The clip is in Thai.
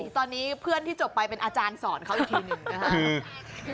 ตอนนี้เพื่อนที่จบไปเป็นอาจารย์สอนเขาอีกทีหนึ่งนะครับ